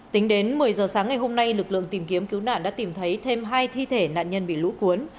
tính đến một mươi giờ sáng ngày hôm nay lực lượng tìm kiếm cứu nạn đã tìm thấy thêm hai thi thể nạn nhân bị lũ cuốn